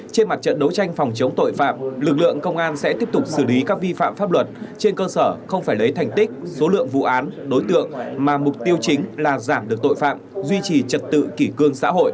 trên mặt trận đấu tranh phòng chống tội phạm lực lượng công an sẽ tiếp tục xử lý các vi phạm pháp luật trên cơ sở không phải lấy thành tích số lượng vụ án đối tượng mà mục tiêu chính là giảm được tội phạm duy trì trật tự kỷ cương xã hội